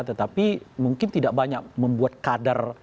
tetapi mungkin tidak banyak membuat kadar